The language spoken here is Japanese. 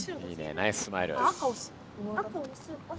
ナイススマイル。